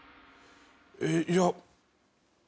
えっいや。